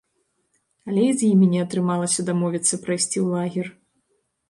Але і з ім не атрымалася дамовіцца прайсці ў лагер.